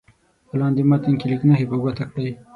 په لاندې متن کې لیک نښې په ګوته کړئ.